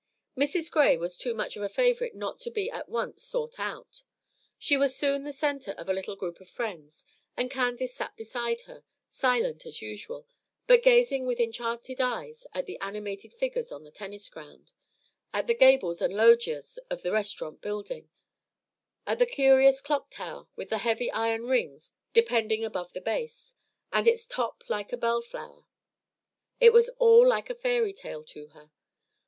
Mrs. Gray was too much of a favorite not to be at once sought out. She was soon the centre of a little group of friends; and Candace sat beside her, silent as usual, but gazing with enchanted eyes at the animated figures on the tennis ground, at the gables and loggias of the restaurant building, at the curious clock tower, with the heavy iron rings depending above the base, and its top like a bellflower. It was all like a fairy tale to her.